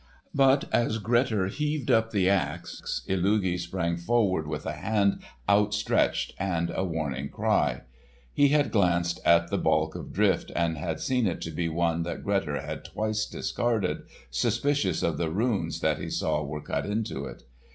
But as Grettir heaved up the axe, Illugi sprang forward with a hand outstretched and a warning cry. He had glanced at the balk of drift, and had seen it to be one that Grettir had twice discarded, suspicious of the runes that he saw were cut into it.